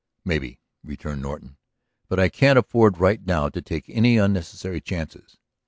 "Maybe," returned Norton. "But I can't afford right now to take any unnecessary chances.